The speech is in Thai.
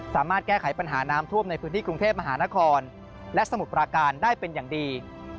สามารถแก้ไขปัญหาน้ำท่วมในพื้นที่กรุงเทพมหานครและสมุทรปราการได้เป็นอย่างดี